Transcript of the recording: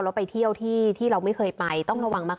แล้วไปเที่ยวที่เราไม่เคยไปต้องระวังมาก